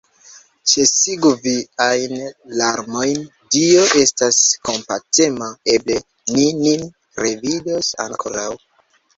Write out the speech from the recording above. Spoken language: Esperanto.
Ĉesigu viajn larmojn, Dio estas kompatema, eble ni nin revidos ankoraŭ!